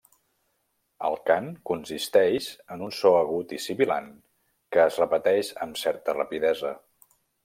El cant consisteix en un so agut i sibilant que es repeteix amb certa rapidesa.